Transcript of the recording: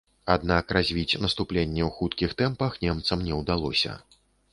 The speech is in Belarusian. Аднак развіць наступленне ў хуткіх тэмпах немцам не ўдалося.